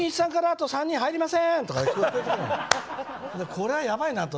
これはやばいなと。